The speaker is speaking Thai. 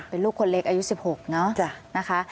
เป็นลูกคนเล็กอายุ๑๖เนอะนะคะ